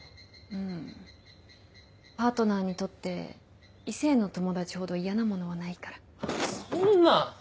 うんパートナーにとって異性の友達ほど嫌なものはないからそんな！